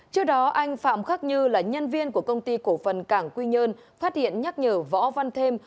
trước đó anh phạm khắc như là nhân viên của công ty cổ phần cảng quy nhơn phát hiện nhắc nhở võ văn thêm